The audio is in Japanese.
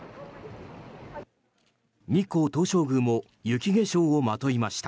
日光東照宮も雪化粧をまといました。